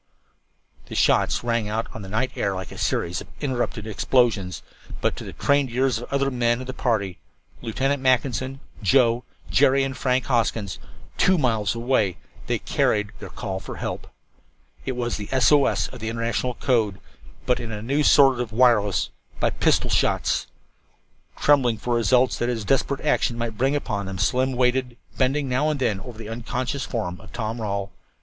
The shots rang out on the night air like a series of interrupted explosions. But to the trained ears of the other men of the party Lieutenant Mackinson, Joe, Jerry and Frank Hoskins two miles away, they carried their call for help. It was the S O S of the international code, but in a new sort of wireless by pistol shots! Trembling for the results that his desperate action might bring upon them, Slim waited, bending now and then over the unconscious form of Tom Rawle.